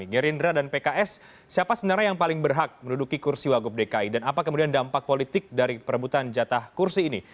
gerindra dan pks siapa sebenarnya yang paling berhak menduduki kursi wagub dki dan apa kemudian dampak politik dari perebutan jatah kursi ini